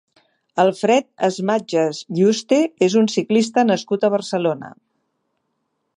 Alfred Esmatges Yuste és un ciclista nascut a Barcelona.